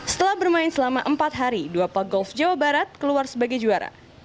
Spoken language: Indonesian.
setelah bermain selama empat hari dua pagolf jawa barat keluar sebagai juara